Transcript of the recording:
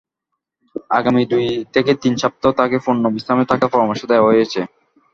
আগামী দুই থেকে তিন সপ্তাহ তাঁকে পূর্ণ বিশ্রামে থাকার পরামর্শ দেওয়া হয়েছে।